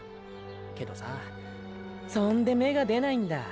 けどさそんで芽が出ないんだ。